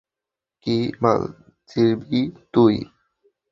কী বাল ছিড়বি তুই?